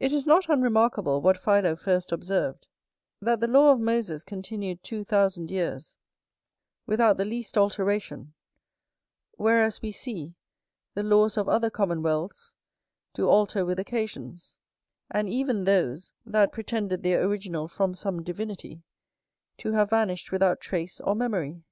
It is not unremarkable, what Philo first observed, that the law of Moses continued two thousand years without the least alteration; whereas, we see, the laws of other commonwealths do alter with occasions: and even those, that pretended their original from some divinity, to have vanished without trace or memory.